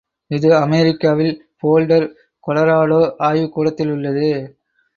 இது அமெரிக்காவில் Boulder Colorado ஆய்வுக் கூடத்திலுள்ளது.